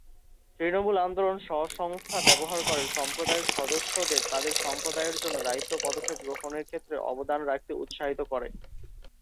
তৃণমূল আন্দোলন, স্ব-সংস্থা ব্যবহার করে সম্প্রদায়ের সদস্যদের তাদের সম্প্রদায়ের জন্য দায়িত্ব ও পদক্ষেপ গ্রহণের ক্ষেত্রে অবদান রাখতে উৎসাহিত করে।